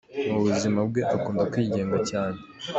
Mu buzima bwe akunda kwigenga cyane.